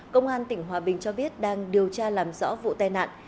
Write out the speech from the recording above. công an tỉnh hòa bình cho biết đang điều tra làm rõ vụ tai nạn